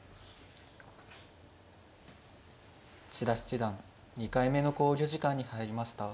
千田七段２回目の考慮時間に入りました。